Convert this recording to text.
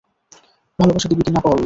ভালোবাসা দিবি কি না বল?